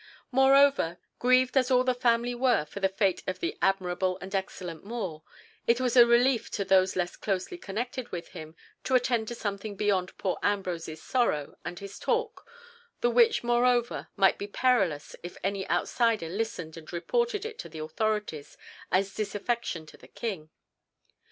Moreover, grieved as all the family were for the fate of the admirable and excellent More, it was a relief to those less closely connected with him to attend to something beyond poor Ambrose's sorrow and his talk, the which moreover might be perilous if any outsider listened and reported it to the authorities as disaffection to the King.